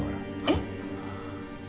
えっ？